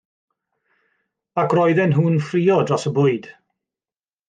Ac roedden nhw'n ffraeo dros y bwyd.